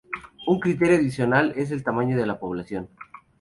Un criterio adicional es el tamaño de la población.